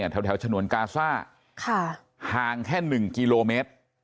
แถวฉนวนกาซ่าห่างแค่๑กิโลเมตร